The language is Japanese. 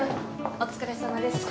お疲れさまです。